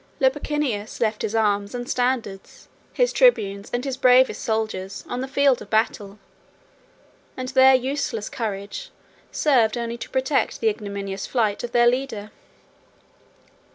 Lupicinus left his arms and standards, his tribunes and his bravest soldiers, on the field of battle; and their useless courage served only to protect the ignominious flight of their leader.